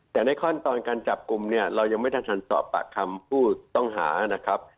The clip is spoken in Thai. แต่ในขั้นตอนการจับกลุ่มเนี่ยเรายังไม่ทันสอบปากคำผู้ต้องหานะครับ